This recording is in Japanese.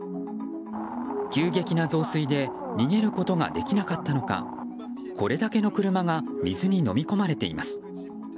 急激な増水で逃げることができなかったのかこれだけの車が水にのみ込まれています。